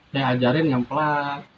saya ajarin nyamplak